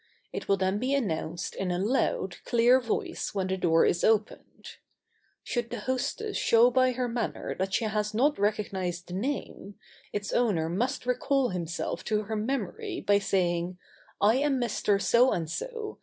It will then be announced in a loud, clear voice when the door is opened. Should the hostess show by her manner that she has not recognised the name, its owner must recall himself to her memory by saying, "I am Mr. So and so.